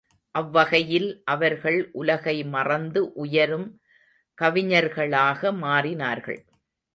அவ்வகையில் அவர்கள் உலகை மறந்து உயரும் கவிஞர்களாக மாறினார்கள்.